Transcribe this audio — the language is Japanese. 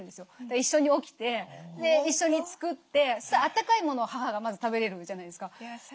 一緒に起きて一緒に作ってあったかいものを母がまず食べれるじゃないですか。